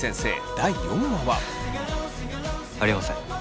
第４話は。ありません。